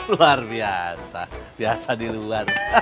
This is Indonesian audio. luar biasa biasa di luar